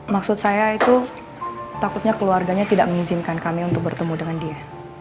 maksud saya itu takutnya keluarganya tidak mengizinkan kami untuk bertemu dengan dia